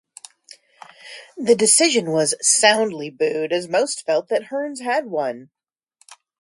The decision was soundly booed, as most felt that Hearns had won.